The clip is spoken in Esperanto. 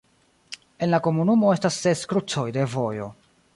En la komunumo estas ses krucoj de vojo.